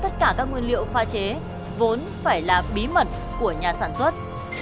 tất cả các nguyên liệu pha chế vốn phải là bí mật của nhà sản xuất